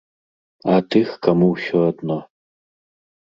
А тых, каму ўсё адно.